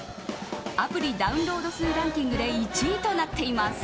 アプリダウンロード数ランキングで１位となっています。